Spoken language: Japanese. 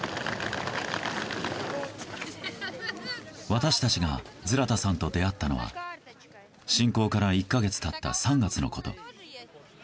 私たちがズラタさんと出会ったのは侵攻から１か月経った３月のこと。